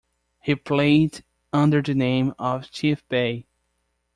He played under the name of Chief Bey.